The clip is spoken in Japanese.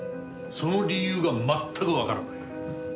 その理由が全くわからない。